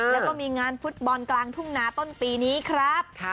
แล้วก็มีงานฟุตบอลกลางทุ่งนาต้นปีนี้ครับ